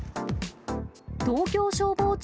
東京消防庁